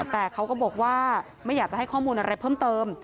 แต่เขาก็บอกว่าไม่อยากจะให้ข้อมูลอะไรเพิ่มเติม